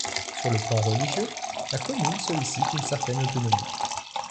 Sur le plan religieux, la commune sollicite une certaine autonomie.